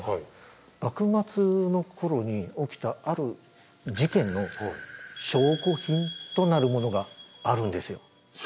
幕末の頃に起きたある事件の証拠品となるものがあるんですよ。